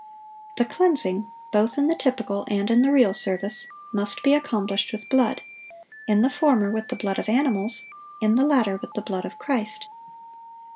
The cleansing, both in the typical and in the real service, must be accomplished with blood: in the former, with the blood of animals; in the latter, with the blood of Christ.